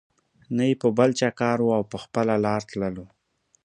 نه یې په بل چا کار وو او په خپله لار تللو.